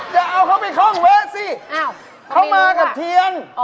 อย่าเอาเขาไปคล่องแวะสิเขามากับเทียน